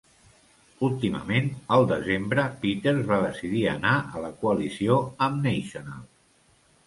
Últimament, al desembre, Peters va decidir anar a la coalició amb National.